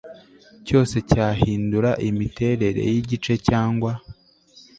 cyose cyahindura imiterere y igice cyangwa